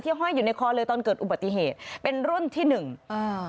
ห้อยอยู่ในคอเลยตอนเกิดอุบัติเหตุเป็นรุ่นที่หนึ่งอ่า